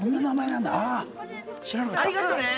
ありがとね。